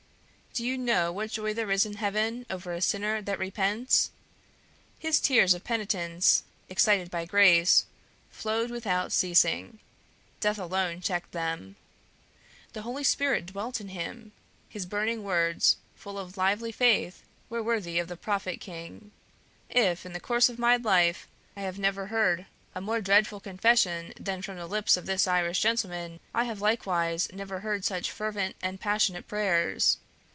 Do you know what joy there is in heaven over a sinner that repents? His tears of penitence, excited by grace, flowed without ceasing; death alone checked them. The Holy Spirit dwelt in him. His burning words, full of lively faith, were worthy of the Prophet King. If, in the course of my life, I have never heard a more dreadful confession than from the lips of this Irish gentleman, I have likewise never heard such fervent and passionate prayers.